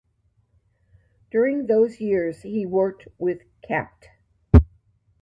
During those years he worked with Capt.